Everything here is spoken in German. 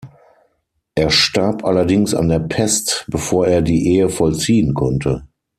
Er starb allerdings an der Pest, bevor er die Ehe vollziehen konnte.